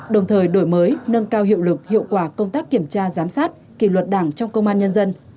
đồng thời đổi mới nâng cao hiệu lực hiệu quả công tác kiểm tra giám sát kỳ luật đảng trong công an nhân dân